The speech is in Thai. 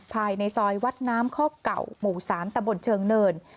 ภายในซอยวัดน้ำข้อเก่าหมู่๓ตะบนเชิงเนิน